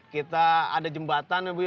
kita ada jembatan ya bu